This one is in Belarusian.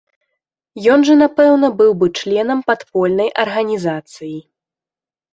Ён жа напэўна быў бы членам падпольнай арганізацыі.